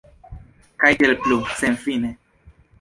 Kaj tiel plu, senfine.